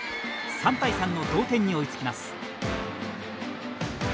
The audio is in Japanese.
３対３の同点に追いつきます。